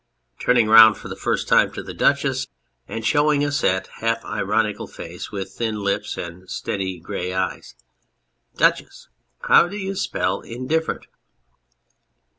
(Turning round for the first time to the Duchess and shoiring a set, half ironical face, nith thin lips and steady grey eyes.) Duchess, how do you spell " indifferent